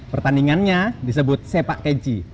pertandingannya disebut sepak kenchi